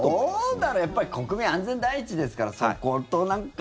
やっぱり国民、安全第一ですからそことなんか。